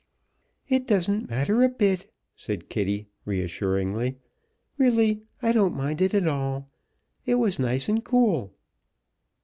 "It doesn't matter a bit!" said Kitty, reassuringly. "Really, I don't mind it at all. It was nice and cool."